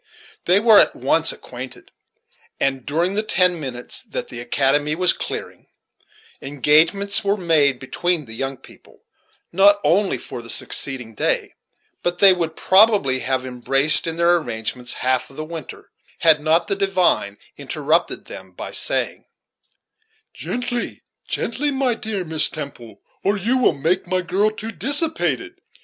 They were at once acquainted; and, during the ten minutes that the "academy" was clearing, engagements were made between the young people, not only for the succeeding day, but they would probably have embraced in their arrangements half of the winter, had not the divine interrupted them by saying: "Gently, gently, my dear Miss Temple, or you will make my girl too dissipated.